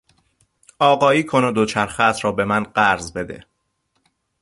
آقایی کن و دوچرخهات را به من قرض بده.